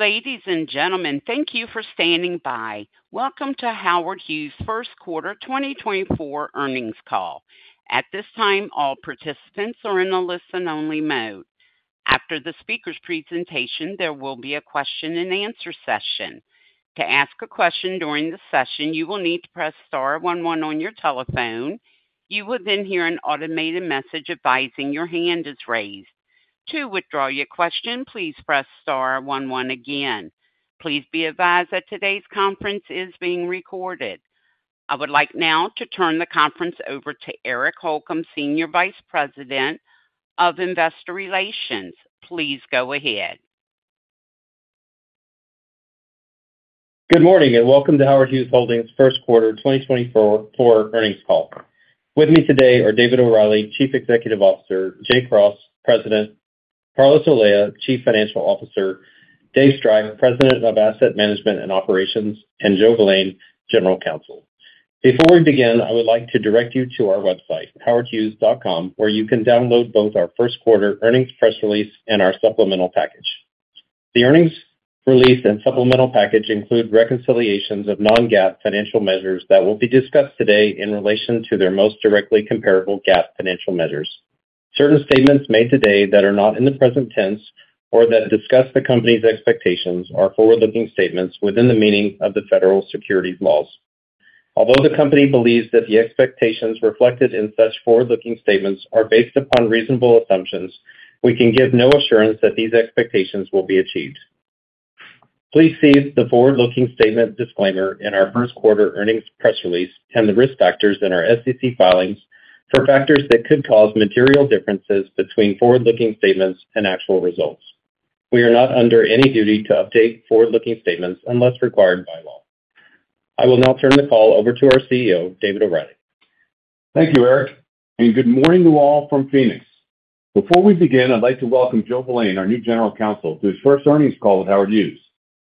Ladies and gentlemen, thank you for standing by. Welcome to Howard Hughes First Quarter 2024 Earnings Call. At this time, all participants are in a listen-only mode. After the speaker's presentation, there will be a question and answer session. To ask a question during the session, you will need to press star one one on your telephone. You will then hear an automated message advising your hand is raised. To withdraw your question, please press star one one again. Please be advised that today's conference is being recorded. I would like now to turn the conference over to Eric Holcomb, Senior Vice President of Investor Relations. Please go ahead. Good morning, and welcome to Howard Hughes Holdings first quarter 2024 earnings call. With me today are David O'Reilly, Chief Executive Officer; Jay Cross, President; Carlos Olea, Chief Financial Officer; Dave Striph, President of Asset Management and Operations; and Joe Villian, General Counsel. Before we begin, I would like to direct you to our website, howardhughes.com, where you can download both our first quarter earnings press release and our supplemental package. The earnings release and supplemental package include reconciliations of non-GAAP financial measures that will be discussed today in relation to their most directly comparable GAAP financial measures. Certain statements made today that are not in the present tense or that discuss the company's expectations are forward-looking statements within the meaning of the federal securities laws. Although the company believes that the expectations reflected in such forward-looking statements are based upon reasonable assumptions, we can give no assurance that these expectations will be achieved. Please see the forward-looking statement disclaimer in our first quarter earnings press release and the risk factors in our SEC filings for factors that could cause material differences between forward-looking statements and actual results. We are not under any duty to update forward-looking statements unless required by law. I will now turn the call over to our CEO, David O'Reilly. Thank you, Eric, and good morning to you all from Phoenix. Before we begin, I'd like to welcome Joe Villain, our new General Counsel, to his first earnings call with Howard Hughes.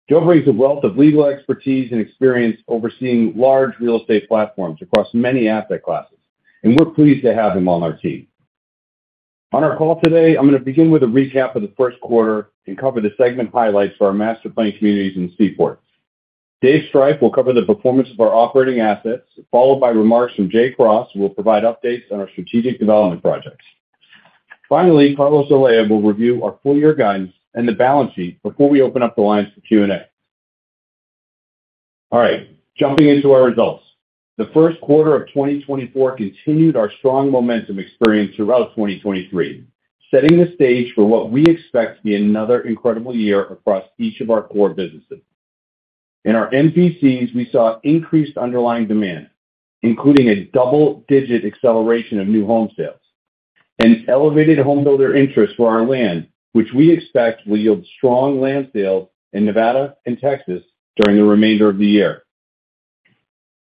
Joe brings a wealth of legal expertise and experience overseeing large real estate platforms across many asset classes, and we're pleased to have him on our team. On our call today, I'm going to begin with a recap of the first quarter and cover the segment highlights for our master-planned communities and Seaport. Dave Striph will cover the performance of our operating assets, followed by remarks from Jay Cross, who will provide updates on our strategic development projects. Finally, Carlos Olea will review our full year guidance and the balance sheet before we open up the lines for Q&A. All right, jumping into our results. The first quarter of 2024 continued our strong momentum experience throughout 2023, setting the stage for what we expect to be another incredible year across each of our core businesses. In our MPCs, we saw increased underlying demand, including a double-digit acceleration of new home sales, and elevated homebuilder interest for our land, which we expect will yield strong land sales in Nevada and Texas during the remainder of the year.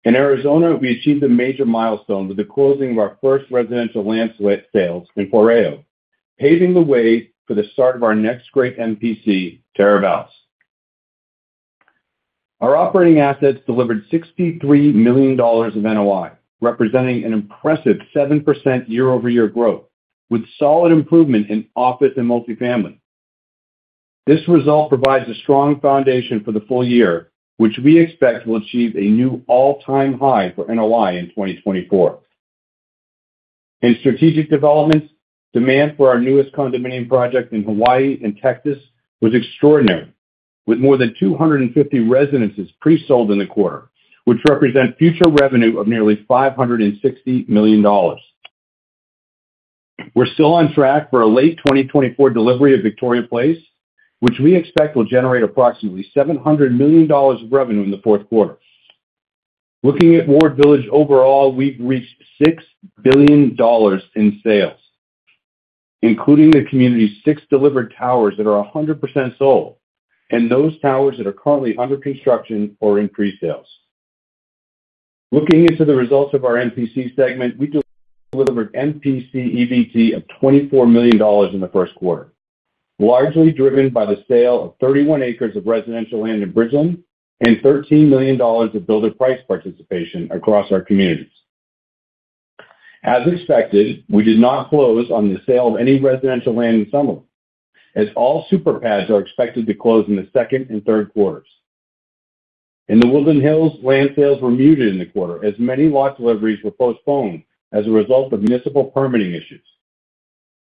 In Arizona, we achieved a major milestone with the closing of our first residential land sales in Floreo, paving the way for the start of our next great MPC, Teravalis. Our operating assets delivered $63 million of NOI, representing an impressive 7% year-over-year growth, with solid improvement in office and multifamily. This result provides a strong foundation for the full year, which we expect will achieve a new all-time high for NOI in 2024. In strategic developments, demand for our newest condominium project in Hawaii and Texas was extraordinary, with more than 250 residences pre-sold in the quarter, which represent future revenue of nearly $560 million. We're still on track for a late 2024 delivery of Victoria Place, which we expect will generate approximately $700 million of revenue in the fourth quarter. Looking at Ward Village overall, we've reached $6 billion in sales, including the community's six delivered towers that are 100% sold, and those towers that are currently under construction or in pre-sales. Looking into the results of our MPC segment, we delivered MPC EBT of $24 million in the first quarter, largely driven by the sale of 31 acres of residential land in Bridgeland and $13 million of builder price participation across our communities. As expected, we did not close on the sale of any residential land in Summerlin, as all super pads are expected to close in the second and third quarters. In The Woodlands Hills, land sales were muted in the quarter as many lot deliveries were postponed as a result of municipal permitting issues.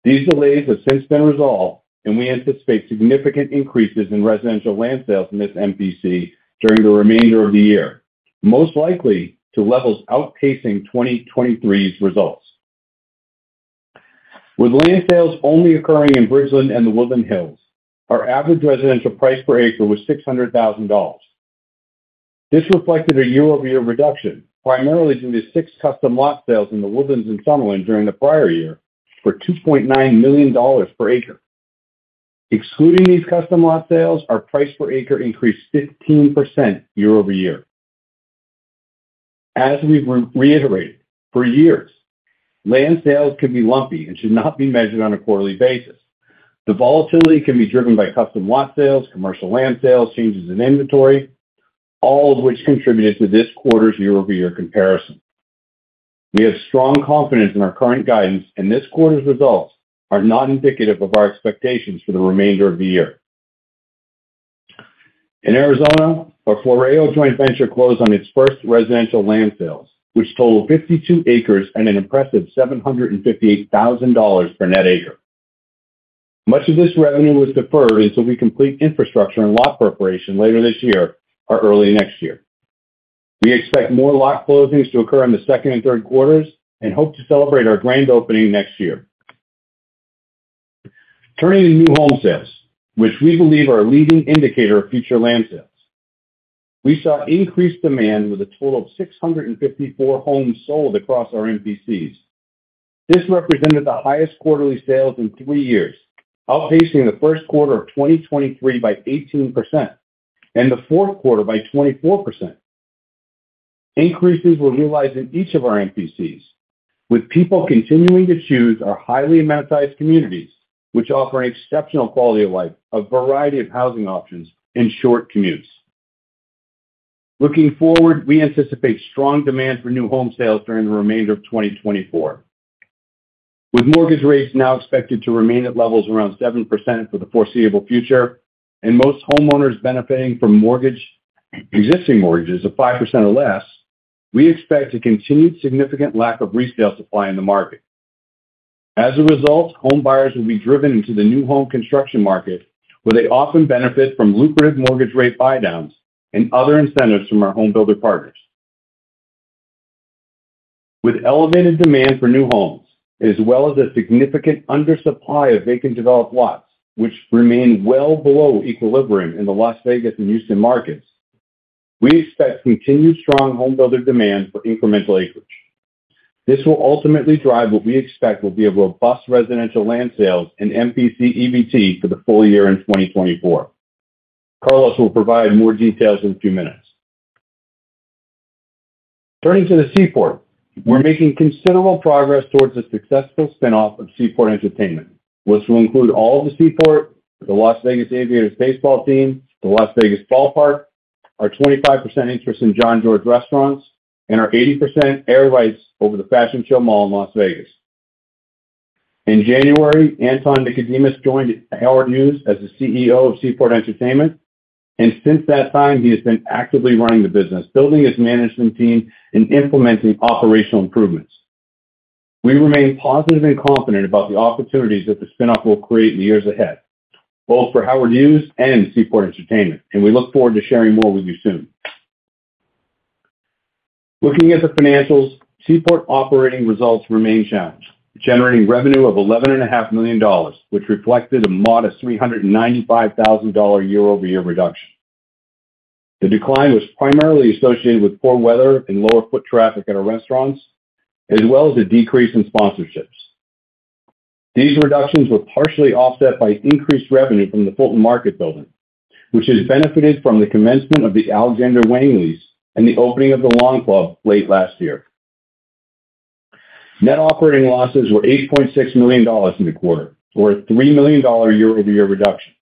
These delays have since been resolved, and we anticipate significant increases in residential land sales in this MPC during the remainder of the year, most likely to levels outpacing 2023's results. With land sales only occurring in Bridgeland and The Woodlands Hills, our average residential price per acre was $600,000. This reflected a year-over-year reduction, primarily due to six custom lot sales in The Woodlands and Summerlin during the prior year, for $2.9 million per acre. Excluding these custom lot sales, our price per acre increased 15% year-over-year. As we've reiterated for years, land sales can be lumpy and should not be measured on a quarterly basis. The volatility can be driven by custom lot sales, commercial land sales, changes in inventory, all of which contributed to this quarter's year-over-year comparison. We have strong confidence in our current guidance, and this quarter's results are not indicative of our expectations for the remainder of the year. In Arizona, our Floreo joint venture closed on its first residential land sales, which totaled 52 acres and an impressive $758,000 per net acre. Much of this revenue was deferred until we complete infrastructure and lot preparation later this year or early next year. We expect more lot closings to occur in the second and third quarters and hope to celebrate our grand opening next year. Turning to new home sales, which we believe are a leading indicator of future land sales. We saw increased demand with a total of 654 homes sold across our MPCs. This represented the highest quarterly sales in three years, outpacing the first quarter of 2023 by 18% and the fourth quarter by 24%. Increases were realized in each of our MPCs, with people continuing to choose our highly amenitized communities, which offer an exceptional quality of life, a variety of housing options, and short commutes. Looking forward, we anticipate strong demand for new home sales during the remainder of 2024. With mortgage rates now expected to remain at levels around 7% for the foreseeable future and most homeowners benefiting from existing mortgages of 5% or less, we expect a continued significant lack of resale supply in the market. As a result, home buyers will be driven into the new home construction market, where they often benefit from lucrative mortgage rate buydowns and other incentives from our home builder partners. With elevated demand for new homes, as well as a significant undersupply of vacant developed lots, which remain well below equilibrium in the Las Vegas and Houston markets, we expect continued strong home builder demand for incremental acreage. This will ultimately drive what we expect will be a robust residential land sales in MPC EBT for the full year in 2024. Carlos will provide more details in a few minutes. Turning to the Seaport, we're making considerable progress towards the successful spin-off of Seaport Entertainment, which will include all of the Seaport, the Las Vegas Aviators baseball team, the Las Vegas Ballpark, our 25% interest in Jean-Georges Restaurants, and our 80% air rights over the Fashion Show Mall in Las Vegas. In January, Anton Nikodemus joined Howard Hughes as the CEO of Seaport Entertainment, and since that time, he has been actively running the business, building his management team, and implementing operational improvements. We remain positive and confident about the opportunities that the spin-off will create in the years ahead, both for Howard Hughes and Seaport Entertainment, and we look forward to sharing more with you soon. Looking at the financials, Seaport operating results remain challenged, generating revenue of $11.5 million, which reflected a modest $395,000 year-over-year reduction. The decline was primarily associated with poor weather and lower foot traffic at our restaurants, as well as a decrease in sponsorships. These reductions were partially offset by increased revenue from the Fulton Market Building, which has benefited from the commencement of the Alexander Wang lease and the opening of the Lawn Club late last year. Net operating losses were $8.6 million in the quarter, or a $3 million year-over-year reduction,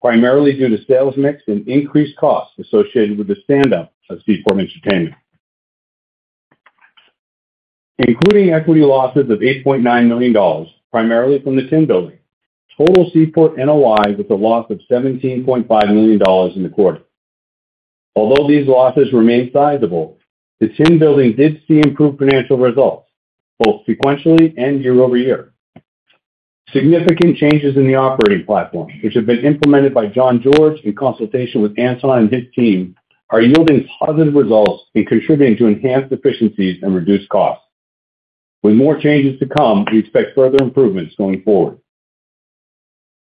primarily due to sales mix and increased costs associated with the stand-up of Seaport Entertainment. Including equity losses of $8.9 million, primarily from the Tin Building, total Seaport NOI was a loss of $17.5 million in the quarter. Although these losses remain sizable, the Tin Building did see improved financial results, both sequentially and year-over-year. Significant changes in the operating platform, which have been implemented by Jean-Georges in consultation with Anton and his team, are yielding positive results and contributing to enhanced efficiencies and reduced costs. With more changes to come, we expect further improvements going forward.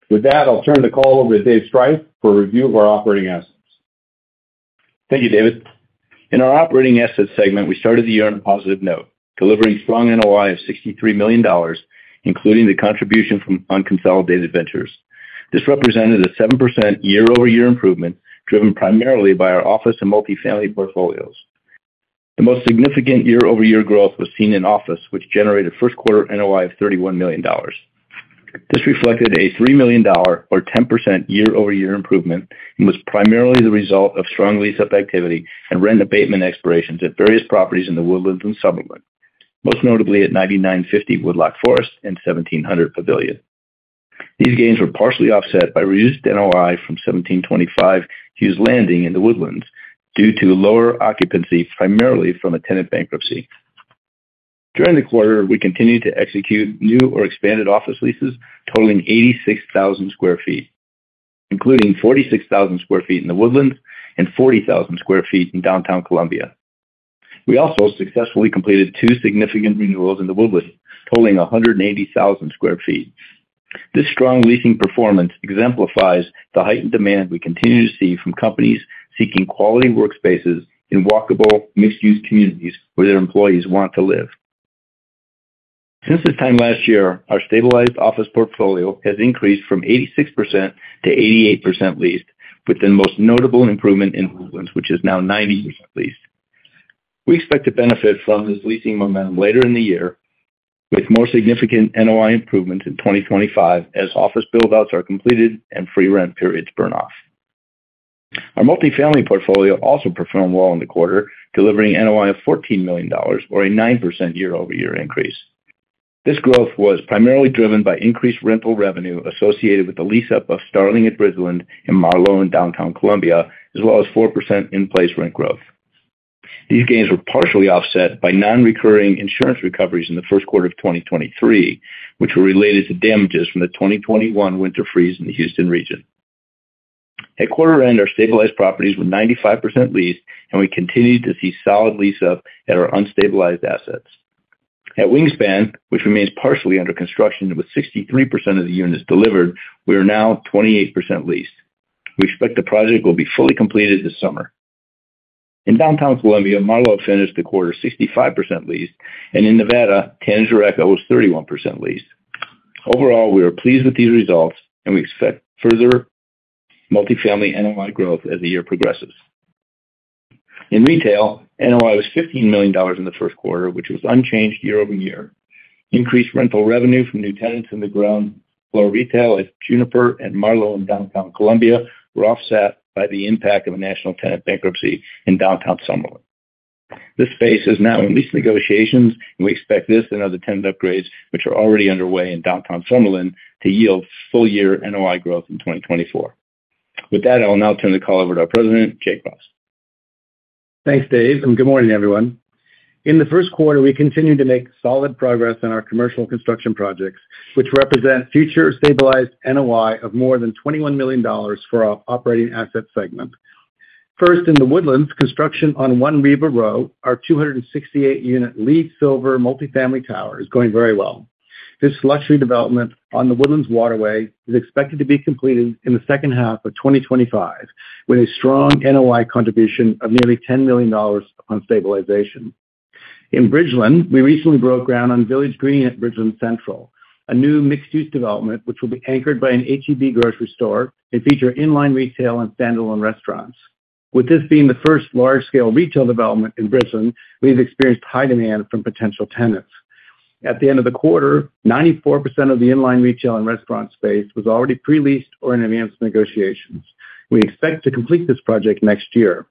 With that, I'll turn the call over to David Striph for a review of our operating assets. Thank you, David. In our operating assets segment, we started the year on a positive note, delivering strong NOI of $63 million, including the contribution from unconsolidated ventures. This represented a 7% year-over-year improvement, driven primarily by our office and multifamily portfolios. The most significant year-over-year growth was seen in office, which generated first quarter NOI of $31 million. This reflected a $3 million or 10% year-over-year improvement and was primarily the result of strong lease-up activity and rent abatement expirations at various properties in The Woodlands and Summerlin, most notably at 9950 Woodloch Forest and 1700 Pavilion. These gains were partially offset by reduced NOI from 1725 Hughes Landing in The Woodlands due to lower occupancy, primarily from a tenant bankruptcy. During the quarter, we continued to execute new or expanded office leases totaling 86,000 sq ft, including 46,000 sq ft in The Woodlands and 40,000 sq ft in Downtown Columbia. We also successfully completed two significant renewals in The Woodlands, totaling 180,000 sq ft. This strong leasing performance exemplifies the heightened demand we continue to see from companies seeking quality workspaces in walkable, mixed-use communities where their employees want to live. Since this time last year, our stabilized office portfolio has increased from 86% to 88% leased, with the most notable improvement in The Woodlands, which is now 90% leased. We expect to benefit from this leasing momentum later in the year, with more significant NOI improvements in 2025 as office build-outs are completed and free rent periods burn off.... Our multifamily portfolio also performed well in the quarter, delivering NOI of $14 million, or a 9% year-over-year increase. This growth was primarily driven by increased rental revenue associated with the lease-up of Starling at Bridgeland in Marlowe in Downtown Columbia, as well as 4% in-place rent growth. These gains were partially offset by non-recurring insurance recoveries in the first quarter of 2023, which were related to damages from the 2021 winter freeze in the Houston region. At quarter end, our stabilized properties were 95% leased, and we continued to see solid lease-up at our unstabilized assets. At Wingspan, which remains partially under construction, with 63% of the units delivered, we are now 28% leased. We expect the project will be fully completed this summer. In Downtown Columbia, Marlowe finished the quarter 65% leased, and in Nevada, Tanager Echo is 31% leased. Overall, we are pleased with these results, and we expect further multifamily NOI growth as the year progresses. In retail, NOI was $15 million in the first quarter, which was unchanged year-over-year. Increased rental revenue from new tenants in the ground floor retail at Juniper and Marlowe in Downtown Columbia were offset by the impact of a national tenant bankruptcy in Downtown Summerlin. This space is now in lease negotiations, and we expect this and other tenant upgrades, which are already underway in Downtown Summerlin, to yield full-year NOI growth in 2024. With that, I will now turn the call over to our President, Jay Cross. Thanks, Dave, and good morning, everyone. In the first quarter, we continued to make solid progress on our commercial construction projects, which represent future stabilized NOI of more than $21 million for our operating asset segment. First, in The Woodlands, construction on 1 Riva Row, our 268-unit LEED Silver multifamily tower, is going very well. This luxury development on the Woodlands Waterway is expected to be completed in the second half of 2025, with a strong NOI contribution of nearly $10 million on stabilization. In Bridgeland, we recently broke ground on Village Green at Bridgeland Central, a new mixed-use development, which will be anchored by an H-E-B grocery store and feature in-line retail and standalone restaurants. With this being the first large-scale retail development in Bridgeland, we've experienced high demand from potential tenants. At the end of the quarter, 94% of the in-line retail and restaurant space was already pre-leased or in advanced negotiations. We expect to complete this project next year.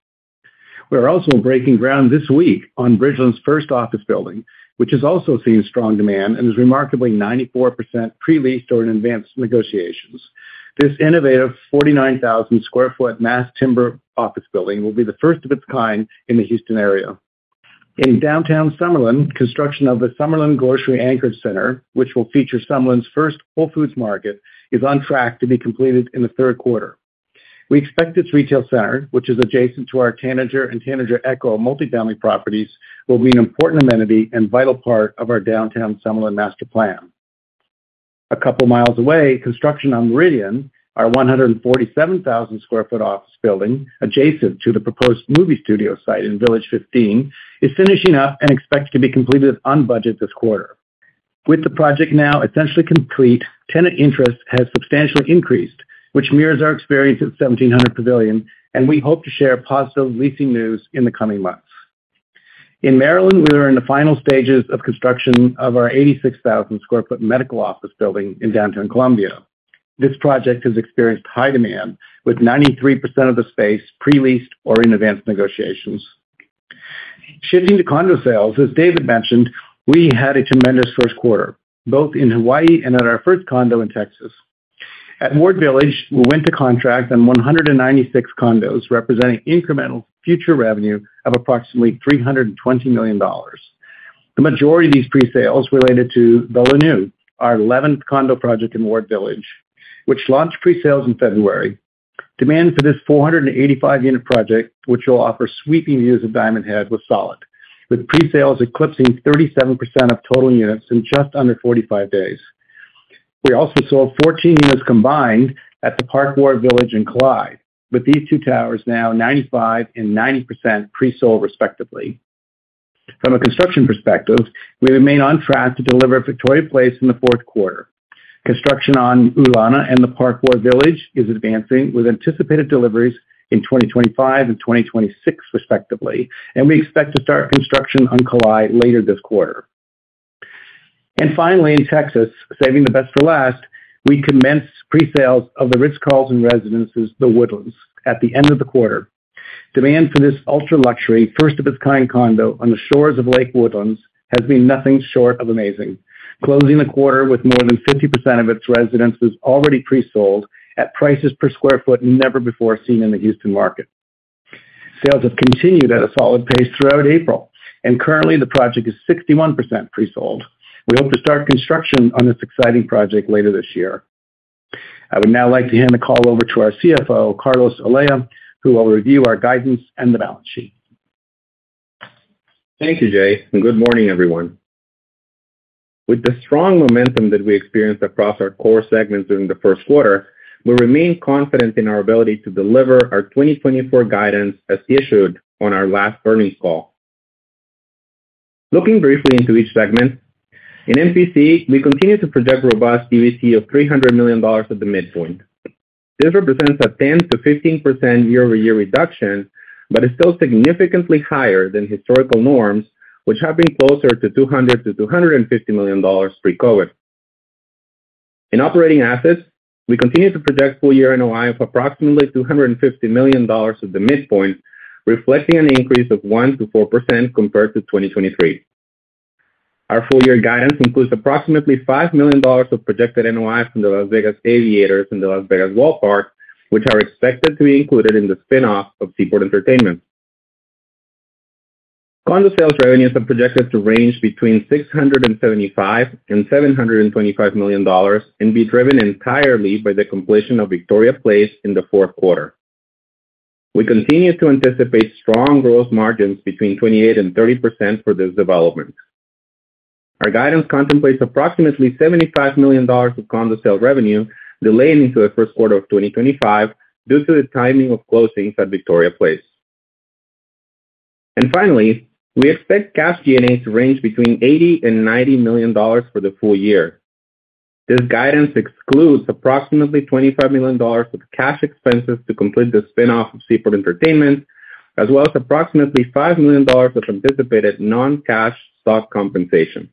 We are also breaking ground this week on Bridgeland's first office building, which has also seen strong demand and is remarkably 94% pre-leased or in advanced negotiations. This innovative 49,000 sq ft mass timber office building will be the first of its kind in the Houston area. In Downtown Summerlin, construction of the Summerlin Grocery Anchor Center, which will feature Summerlin's first Whole Foods Market, is on track to be completed in the third quarter. We expect this retail center, which is adjacent to our Tanager and Tanager Echo multifamily properties, will be an important amenity and vital part of our Downtown Summerlin master plan. A couple of miles away, construction on Meridian, our 147,000 sq ft office building, adjacent to the proposed movie studio site in Village 15, is finishing up and expected to be completed on budget this quarter. With the project now essentially complete, tenant interest has substantially increased, which mirrors our experience at 1700 Pavilion, and we hope to share positive leasing news in the coming months. In Maryland, we are in the final stages of construction of our 86,000 sq ft medical office building in Downtown Columbia. This project has experienced high demand, with 93% of the space pre-leased or in advanced negotiations. Shifting to condo sales, as David mentioned, we had a tremendous first quarter, both in Hawaii and at our first condo in Texas. At Ward Village, we went to contract on 196 condos, representing incremental future revenue of approximately $320 million. The majority of these pre-sales related to The Launiu, our 11th condo project in Ward Village, which launched pre-sales in February. Demand for this 485-unit project, which will offer sweeping views of Diamond Head, was solid, with pre-sales eclipsing 37% of total units in just under 45 days. We also sold 14 units combined at The Park Ward Village and Kalae, with these two towers now 95% and 90% pre-sold, respectively. From a construction perspective, we remain on track to deliver Victoria Place in the fourth quarter. Construction on Ulana and The Park Ward Village is advancing, with anticipated deliveries in 2025 and 2026, respectively, and we expect to start construction on Kalae later this quarter. Finally, in Texas, saving the best to last, we commenced pre-sales of the Ritz-Carlton Residences, The Woodlands, at the end of the quarter. Demand for this ultra-luxury, first-of-its-kind condo on the shores of Lake Woodlands has been nothing short of amazing, closing the quarter with more than 50% of its residences already pre-sold at prices per square foot never before seen in the Houston market. Sales have continued at a solid pace throughout April, and currently, the project is 61% pre-sold. We hope to start construction on this exciting project later this year. I would now like to hand the call over to our CFO, Carlos Olea, who will review our guidance and the balance sheet. Thank you, Jay, and good morning, everyone. With the strong momentum that we experienced across our core segments during the first quarter, we remain confident in our ability to deliver our 2024 guidance as issued on our last earnings call. Looking briefly into each segment, in MPC, we continue to project robust EBT of $300 million at the midpoint. This represents a 10%-15% year-over-year reduction, but is still significantly higher than historical norms, which have been closer to $200 million-$250 million pre-COVID.... In operating assets, we continue to project full year NOI of approximately $250 million at the midpoint, reflecting an increase of 1%-4% compared to 2023. Our full year guidance includes approximately $5 million of projected NOIs from the Las Vegas Aviators and the Las Vegas Ballpark, which are expected to be included in the spin-off of Seaport Entertainment. Condo sales revenues are projected to range between $675 million and $725 million, and be driven entirely by the completion of Victoria Place in the fourth quarter. We continue to anticipate strong growth margins between 28% and 30% for this development. Our guidance contemplates approximately $75 million of condo sale revenue delaying into the first quarter of 2025, due to the timing of closings at Victoria Place. Finally, we expect cash G&A to range between $80 million and $90 million for the full year. This guidance excludes approximately $25 million of cash expenses to complete the spin-off of Seaport Entertainment, as well as approximately $5 million of anticipated non-cash stock compensation.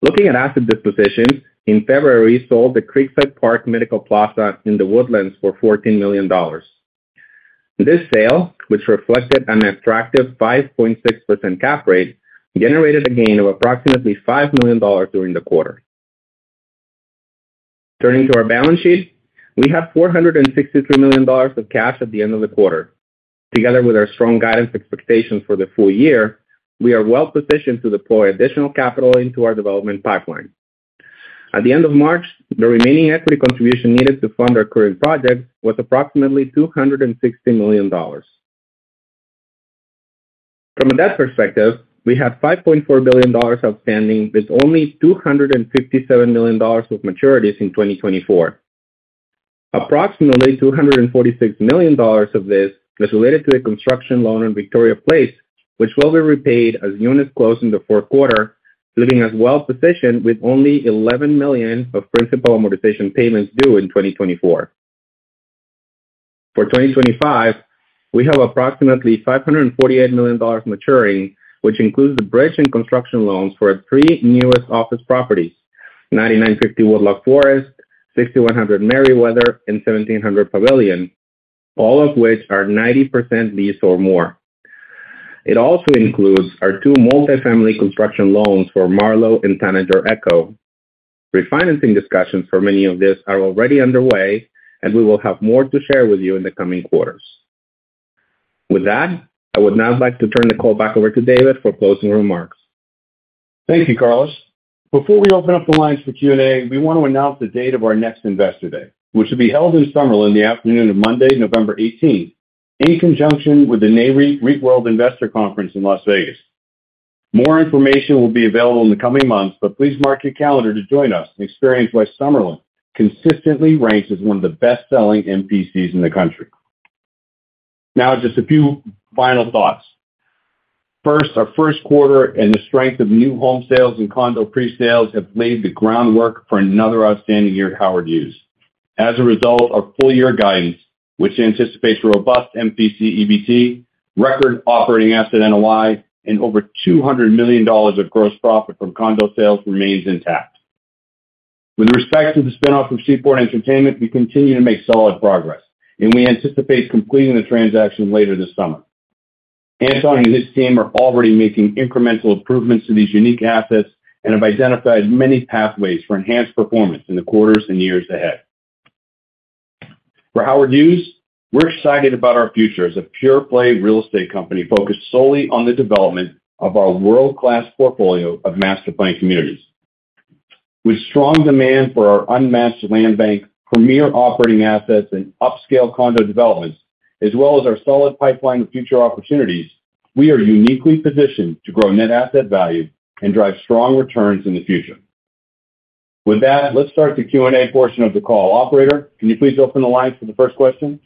Looking at asset dispositions, in February, we sold the Creekside Park Medical Plaza in The Woodlands for $14 million. This sale, which reflected an attractive 5.6% cap rate, generated a gain of approximately $5 million during the quarter. Turning to our balance sheet, we have $463 million of cash at the end of the quarter. Together with our strong guidance expectations for the full year, we are well positioned to deploy additional capital into our development pipeline. At the end of March, the remaining equity contribution needed to fund our current projects was approximately $260 million. From a debt perspective, we have $5.4 billion outstanding, with only $257 million of maturities in 2024. Approximately $246 million of this is related to a construction loan on Victoria Place, which will be repaid as units close in the fourth quarter, leaving us well positioned with only $11 million of principal and amortization payments due in 2024. For 2025, we have approximately $548 million maturing, which includes the bridge and construction loans for our three newest office properties: 9950 Woodloch Forest, 6100 Merriweather, and 1700 Pavilion, all of which are 90% leased or more. It also includes our two multifamily construction loans for Marlowe and Tanager Echo. Refinancing discussions for many of these are already underway, and we will have more to share with you in the coming quarters. With that, I would now like to turn the call back over to David for closing remarks. Thank you, Carlos. Before we open up the lines for Q&A, we want to announce the date of our next Investor Day, which will be held in Summerlin the afternoon of Monday, November eighteenth, in conjunction with the NAREIT REITWorld Investor Conference in Las Vegas. More information will be available in the coming months, but please mark your calendar to join us and experience why Summerlin consistently ranks as one of the best-selling MPCs in the country. Now, just a few final thoughts. First, our first quarter and the strength of new home sales and condo presales have laid the groundwork for another outstanding year at Howard Hughes. As a result, our full-year guidance, which anticipates robust MPC EBT, record operating asset NOI, and over $200 million of gross profit from condo sales, remains intact. With respect to the spin-off of Seaport Entertainment, we continue to make solid progress, and we anticipate completing the transaction later this summer. Anton and his team are already making incremental improvements to these unique assets and have identified many pathways for enhanced performance in the quarters and years ahead. For Howard Hughes, we're excited about our future as a pure-play real estate company focused solely on the development of our world-class portfolio of master-planned communities. With strong demand for our unmatched land bank, premier operating assets, and upscale condo developments, as well as our solid pipeline of future opportunities, we are uniquely positioned to grow net asset value and drive strong returns in the future. With that, let's start the Q&A portion of the call. Operator, can you please open the line for the first question?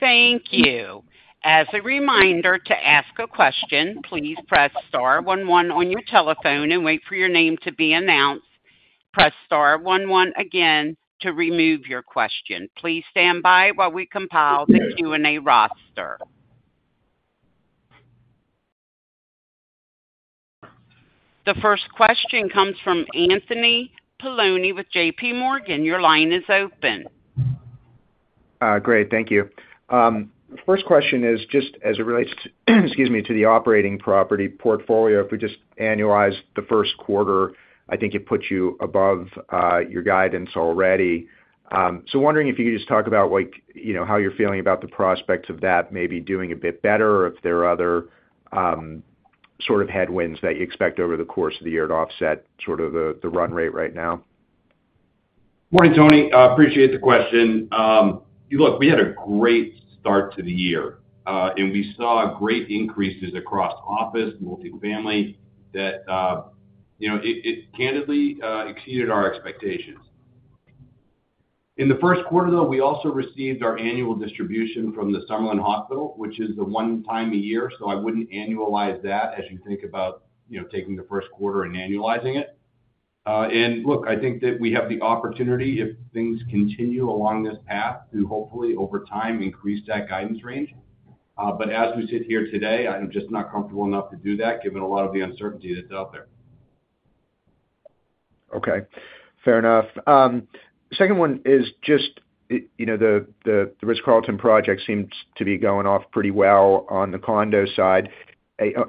Thank you. As a reminder, to ask a question, please press star one one on your telephone and wait for your name to be announced. Press star one one again to remove your question. Please stand by while we compile the Q&A roster. The first question comes from Anthony Paolone with J.P. Morgan. Your line is open. Great, thank you. The first question is, just as it relates to, excuse me, to the operating property portfolio, if we just annualize the first quarter, I think it puts you above, your guidance already. So wondering if you could just talk about, like, you know, how you're feeling about the prospects of that maybe doing a bit better, or if there are other, sort of headwinds that you expect over the course of the year to offset sort of the run rate right now. Morning, Tony. I appreciate the question. Look, we had a great start to the year, and we saw great increases across office, multifamily that, you know, it candidly exceeded our expectations. In the first quarter, though, we also received our annual distribution from the Summerlin Hospital, which is the one time a year, so I wouldn't annualize that as you think about, you know, taking the first quarter and annualizing it. And look, I think that we have the opportunity, if things continue along this path, to hopefully, over time, increase that guidance range. But as we sit here today, I'm just not comfortable enough to do that, given a lot of the uncertainty that's out there. Okay, fair enough. Second one is just, you know, the Ritz-Carlton project seems to be going off pretty well on the condo side.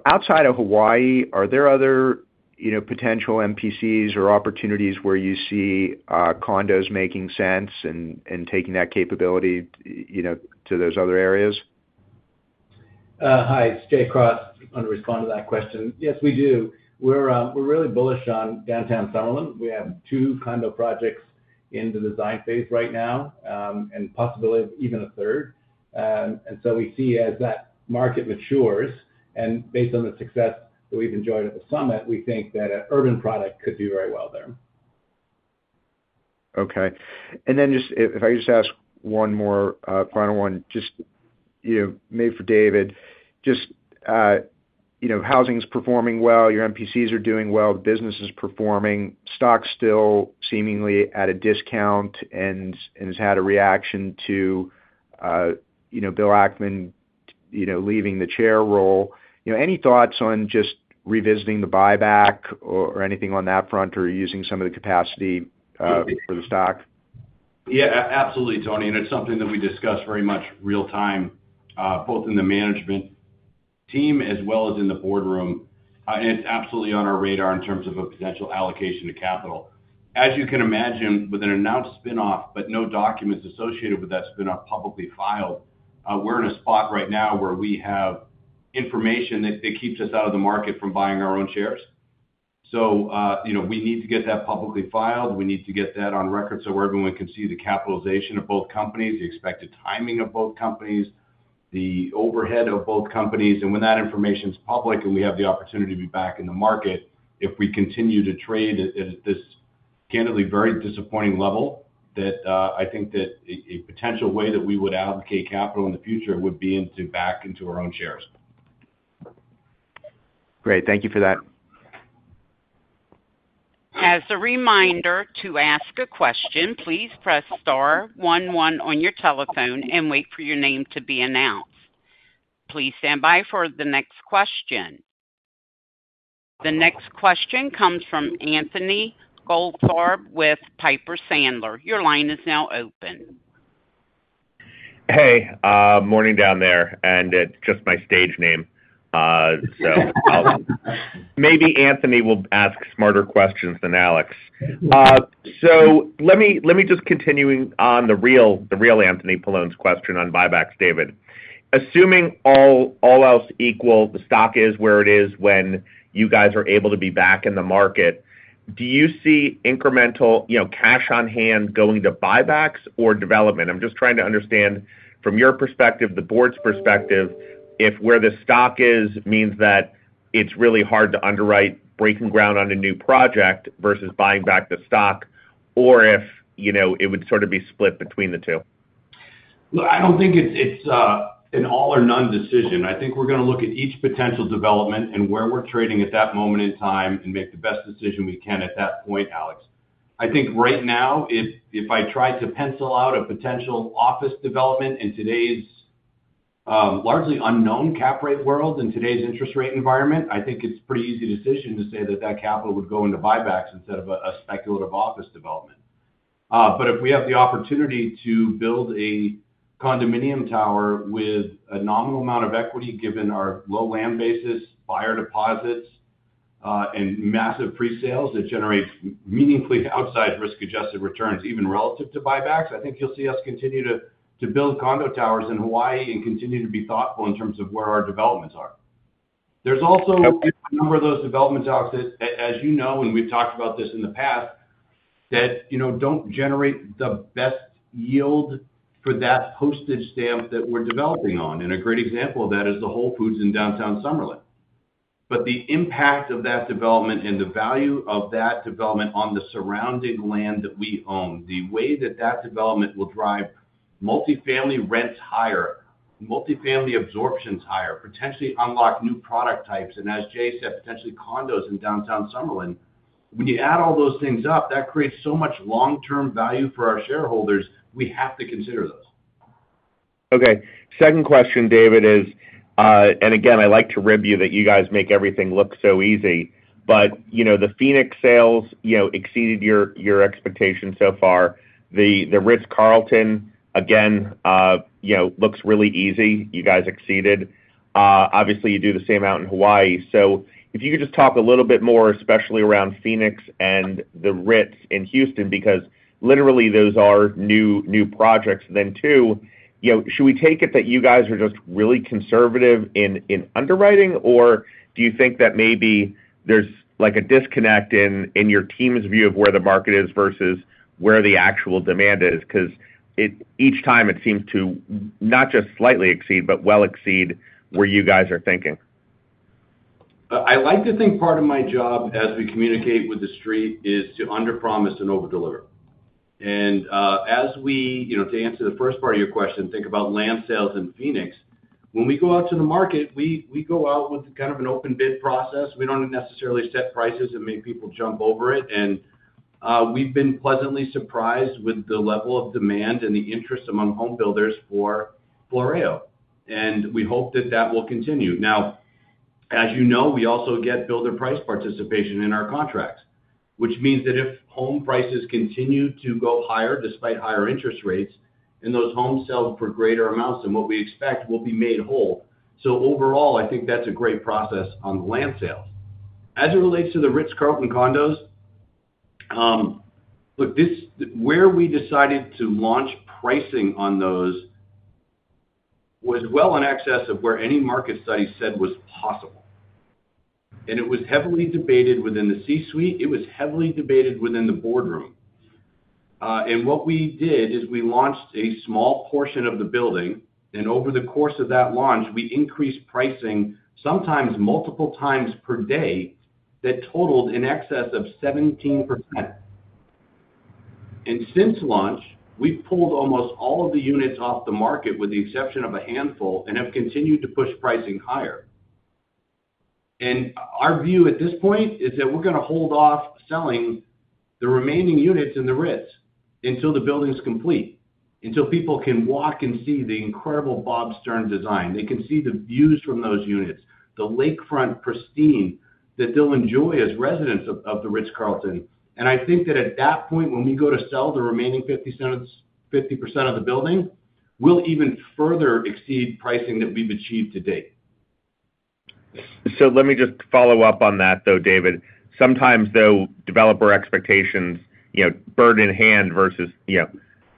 Outside of Hawaii, are there other, you know, potential MPCs or opportunities where you see condos making sense and taking that capability, you know, to those other areas? Hi, it's Jay Cross. I want to respond to that question. Yes, we do. We're really bullish on Downtown Summerlin. We have two condo projects in the design phase right now, and possibly even a third. And so we see as that market matures, and based on the success that we've enjoyed at the Summit, we think that an urban product could do very well there. Okay. And then just if I just ask one more final one, just you know, maybe for David. Just you know, housing is performing well, your MPCs are doing well, business is performing, stock still seemingly at a discount, and has had a reaction to you know, Bill Ackman you know, leaving the chair role. You know, any thoughts on just revisiting the buyback or anything on that front, or using some of the capacity for the stock? Yeah, absolutely, Tony, and it's something that we discuss very much real time, both in the management team as well as in the boardroom. It's absolutely on our radar in terms of a potential allocation of capital. As you can imagine, with an announced spin-off, but no documents associated with that spin-off publicly filed, we're in a spot right now where we have information that keeps us out of the market from buying our own shares. So, you know, we need to get that publicly filed. We need to get that on record so everyone can see the capitalization of both companies, the expected timing of both companies, the overhead of both companies. When that information is public and we have the opportunity to be back in the market, if we continue to trade at this candidly very disappointing level, that I think that a potential way that we would allocate capital in the future would be back into our own shares. Great. Thank you for that. As a reminder, to ask a question, please press star one one on your telephone and wait for your name to be announced. Please stand by for the next question. The next question comes from Alexander Goldfarb with Piper Sandler. Your line is now open. Hey, morning down there, and it's just my stage name. So maybe Anthony will ask smarter questions than Alex. So let me just continuing on the real, the real Anthony Paolone's question on buybacks, David. Assuming all, all else equal, the stock is where it is when you guys are able to be back in the market, do you see incremental, you know, cash on hand going to buybacks or development? I'm just trying to understand from your perspective, the board's perspective, if where the stock is means that it's really hard to underwrite breaking ground on a new project versus buying back the stock, or if, you know, it would sort of be split between the two. Look, I don't think it's an all or none decision. I think we're going to look at each potential development and where we're trading at that moment in time and make the best decision we can at that point, Alex. I think right now, if I tried to pencil out a potential office development in today's largely unknown cap rate world, in today's interest rate environment, I think it's a pretty easy decision to say that that capital would go into buybacks instead of a speculative office development. But if we have the opportunity to build a condominium tower with a nominal amount of equity, given our low land basis, buyer deposits, and massive presales, it generates meaningfully outsized risk-adjusted returns, even relative to buybacks. I think you'll see us continue to build condo towers in Hawaii and continue to be thoughtful in terms of where our developments are. There's also a number of those developments, Alex, that as you know, and we've talked about this in the past, that, you know, don't generate the best yield for that postage stamp that we're developing on. And a great example of that is the Whole Foods in Downtown Summerlin. But the impact of that development and the value of that development on the surrounding land that we own, the way that that development will drive multifamily rents higher, multifamily absorptions higher, potentially unlock new product types, and as Jay said, potentially condos in Downtown Summerlin. When you add all those things up, that creates so much long-term value for our shareholders, we have to consider those. Okay. Second question, David, is... And again, I like to rib you that you guys make everything look so easy. But, you know, the Phoenix sales, you know, exceeded your, your expectations so far. The, the Ritz-Carlton, again, you know, looks really easy. You guys exceeded. Obviously, you do the same out in Hawaii. So if you could just talk a little bit more, especially around Phoenix and the Ritz-Carlton in Houston, because literally those are new, new projects. Then two, you know, should we take it that you guys are just really conservative in, in underwriting, or do you think that maybe there's, like, a disconnect in, in your team's view of where the market is versus where the actual demand is? Because each time it seems to not just slightly exceed, but well exceed where you guys are thinking. I like to think part of my job as we communicate with the street is to underpromise and overdeliver. And, as we, you know, to answer the first part of your question, think about land sales in Phoenix. When we go out to the market, we go out with kind of an open bid process. We don't necessarily set prices and make people jump over it. We've been pleasantly surprised with the level of demand and the interest among homebuilders for Floreo, and we hope that that will continue. Now, as you know, we also get builder price participation in our contracts, which means that if home prices continue to go higher despite higher interest rates, and those homes sell for greater amounts than what we expect, we'll be made whole. So overall, I think that's a great process on the land sales. As it relates to the Ritz-Carlton condos, look, where we decided to launch pricing on those was well in excess of where any market study said was possible. It was heavily debated within the C-suite. It was heavily debated within the boardroom. And what we did is we launched a small portion of the building, and over the course of that launch, we increased pricing, sometimes multiple times per day, that totaled in excess of 17%. And since launch, we've pulled almost all of the units off the market, with the exception of a handful, and have continued to push pricing higher. And our view at this point is that we're gonna hold off selling the remaining units in the Ritz until the building is complete, until people can walk and see the incredible Bob Stern design. They can see the views from those units, the lakefront pristine, that they'll enjoy as residents of the Ritz-Carlton. And I think that at that point, when we go to sell the remaining 50 cents - 50 percent of the building, we'll even further exceed pricing that we've achieved to date. So let me just follow up on that, though, David. Sometimes, though, developer expectations, you know, bird in hand versus, you know,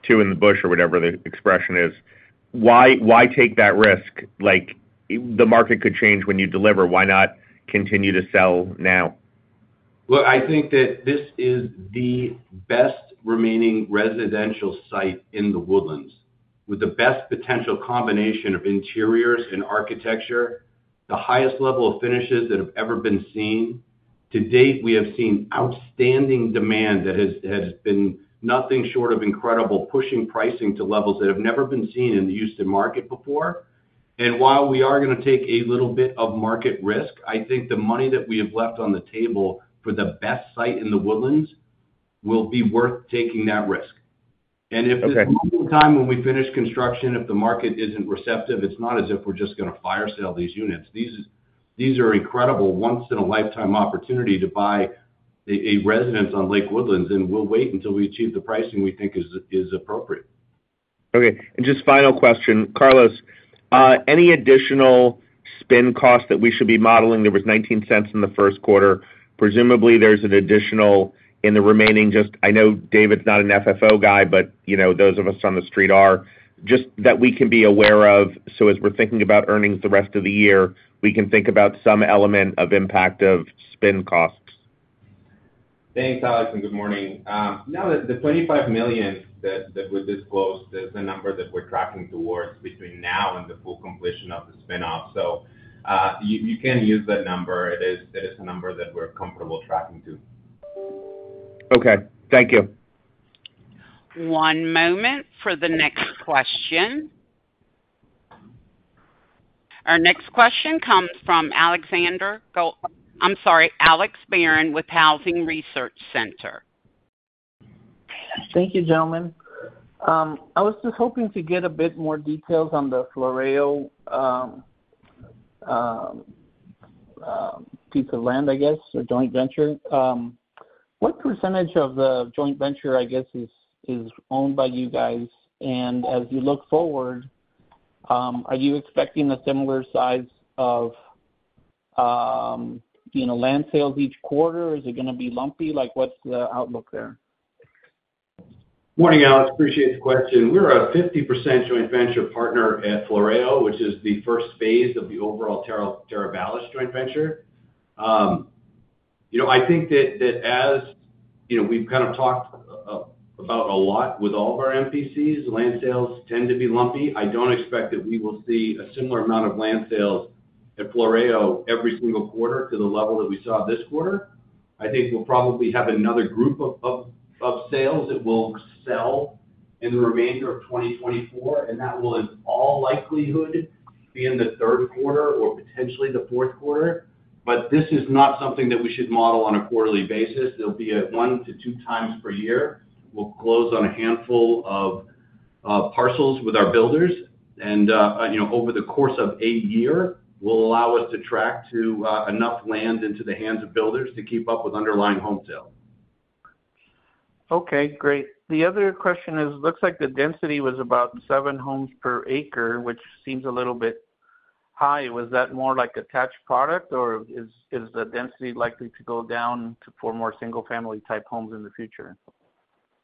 two in the bush or whatever the expression is, why, why take that risk? Like, the market could change when you deliver. Why not continue to sell now? Well, I think that this is the best remaining residential site in The Woodlands, with the best potential combination of interiors and architecture, the highest level of finishes that have ever been seen. To date, we have seen outstanding demand that has been nothing short of incredible, pushing pricing to levels that have never been seen in the Houston market before. While we are gonna take a little bit of market risk, I think the money that we have left on the table for the best site in The Woodlands will be worth taking that risk. Okay. If there's a time when we finish construction, if the market isn't receptive, it's not as if we're just gonna fire sale these units. These, these are incredible once-in-a-lifetime opportunity to buy a, a residence on Lake Woodlands, and we'll wait until we achieve the pricing we think is, is appropriate. Okay. And just final question, Carlos, any additional spin costs that we should be modeling? There was $0.19 in the first quarter. Presumably, there's an additional in the remaining... Just, I know David's not an FFO guy, but, you know, those of us on the street are, just that we can be aware of, so as we're thinking about earnings the rest of the year, we can think about some element of impact of spin costs. Thanks, Alex, and good morning. No, the twenty-five million that we disclosed is the number that we're tracking towards between now and the full completion of the spin-off. So, you can use that number. It is a number that we're comfortable tracking to. Okay, thank you. One moment for the next question. Our next question comes from Alexander Gold-- I'm sorry, Alex Barron with Housing Research Center. Thank you, gentlemen. I was just hoping to get a bit more details on the Floreo piece of land, I guess, or joint venture. What percentage of the joint venture, I guess, is owned by you guys? And as you look forward, are you expecting a similar size of, you know, land sales each quarter? Is it gonna be lumpy? Like, what's the outlook there? Morning, Alex. Appreciate the question. We're a 50% joint venture partner at Floreo, which is the first phase of the overall Teravalis joint venture. You know, I think that as, you know, we've kind of talked about a lot with all of our MPCs, land sales tend to be lumpy. I don't expect that we will see a similar amount of land sales at Floreo every single quarter to the level that we saw this quarter. I think we'll probably have another group of sales that will sell in the remainder of 2024, and that will in all likelihood be in the third quarter or potentially the fourth quarter. But this is not something that we should model on a quarterly basis. It'll be at 1-2 times per year. We'll close on a handful of parcels with our builders, and you know, over the course of a year, will allow us to track to enough land into the hands of builders to keep up with underlying home sale. Okay, great. The other question is: looks like the density was about 7 homes per acre, which seems a little bit high. Was that more like attached product, or is the density likely to go down to for more single-family type homes in the future?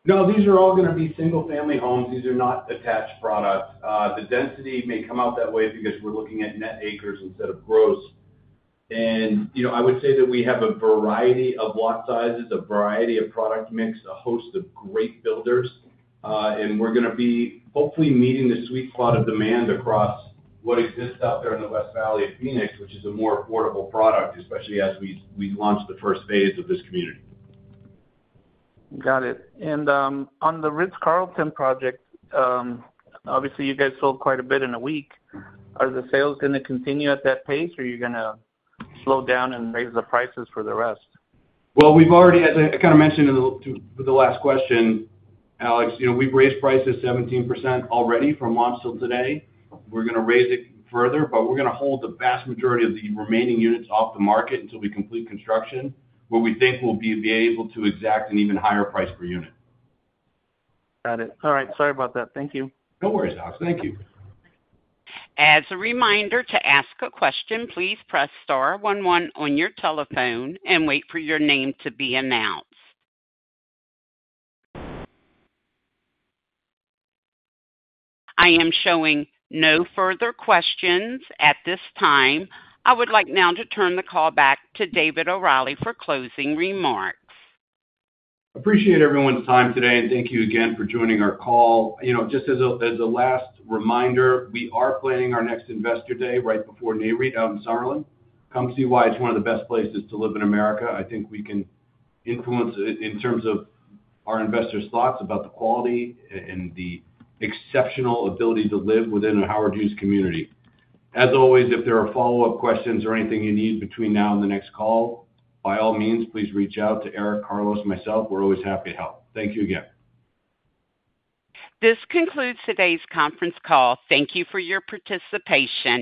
No, these are all gonna be single-family homes. These are not attached products. The density may come out that way because we're looking at net acres instead of gross. You know, I would say that we have a variety of lot sizes, a variety of product mix, a host of great builders, and we're gonna be hopefully meeting the sweet spot of demand across what exists out there in the West Valley of Phoenix, which is a more affordable product, especially as we launch the first phase of this community. Got it. On the Ritz-Carlton project, obviously, you guys sold quite a bit in a week. Are the sales gonna continue at that pace, or are you gonna slow down and raise the prices for the rest? Well, we've already, as I kind of mentioned to the last question, Alex, you know, we've raised prices 17% already from launch till today. We're gonna raise it further, but we're gonna hold the vast majority of the remaining units off the market until we complete construction, where we think we'll be able to exact an even higher price per unit. Got it. All right. Sorry about that. Thank you. No worries, Alex. Thank you. As a reminder, to ask a question, please press star one one on your telephone and wait for your name to be announced. I am showing no further questions at this time. I would like now to turn the call back to David O'Reilly for closing remarks. Appreciate everyone's time today, and thank you again for joining our call. You know, just as a last reminder, we are planning our next Investor Day right before NAREIT out in Summerlin. Come see why it's one of the best places to live in America. I think we can influence in terms of our investors' thoughts about the quality and the exceptional ability to live within a Howard Hughes community. As always, if there are follow-up questions or anything you need between now and the next call, by all means, please reach out to Eric, Carlos, or myself. We're always happy to help. Thank you again. This concludes today's conference call. Thank you for your participation.